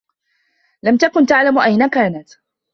لم تكن تعلم أين كانت.